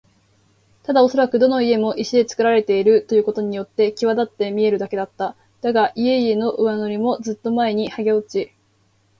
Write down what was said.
ただおそらくどの家も石でつくられているということによってきわだって見えるだけだった。だが、家々の上塗りもずっと前にはげ落ち、